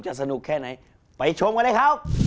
สนุกแค่ไหนไปชมกันเลยครับ